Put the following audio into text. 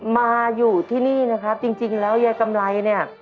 มาอยู่ที่นี่นะครับจริงแล้วยายกำไรเนี่ย